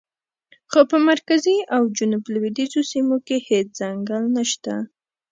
خو په مرکزي او جنوب لویدیځو سیمو کې هېڅ ځنګل نشته.